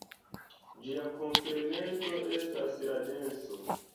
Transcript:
Ĝia komplemento estas la denso.